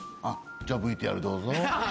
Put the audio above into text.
じゃあＶＴＲどうぞ。